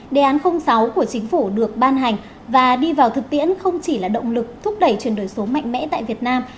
đề án sáu của chính phủ được ban hành và đi vào thực tiễn không chỉ là động lực thúc đẩy chuyển đổi số mạnh mẽ tại việt nam